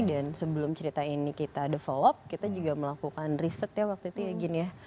dan sebelum cerita ini kita develop kita juga melakukan riset ya waktu itu ya gini ya